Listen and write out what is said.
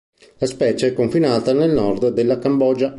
La specie è confinata nel nord della Cambogia.